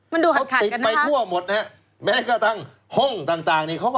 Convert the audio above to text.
มันดูหัดขัดกันนะครับครับ